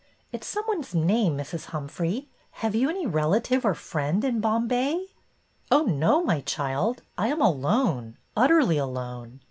It 's some one's name, Mrs. Humphrey. Have you any relative or friend in Bombay ?"" Oh, no, my child. I am alone, utterly alone.